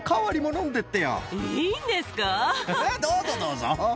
どうぞどうぞ。